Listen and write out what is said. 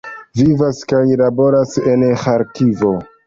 Vivas kaj laboras en Ĥarkivo.